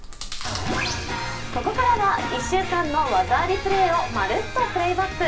ここからは１週間の技ありプレーを「まるっと！Ｐｌａｙｂａｃｋ」。